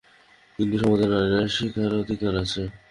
হিন্দুসমাজে নারীর স্বকীয় অধিকার আছে।